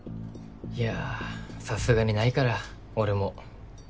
いやさすがにないから俺も。